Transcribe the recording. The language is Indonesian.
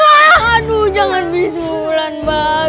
aduh jangan bisulan mbak